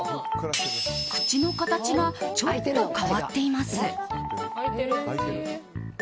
口の形がちょっと変わっています。